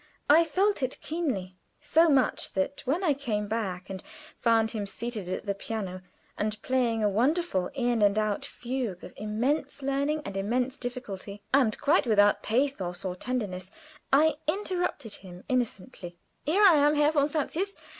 I felt it keenly; so much, that when I came back and found him seated at the piano, and playing a wonderful in and out fugue of immense learning and immense difficulty, and quite without pathos or tenderness, I interrupted him incontinently. "Here I am, Herr von Francius.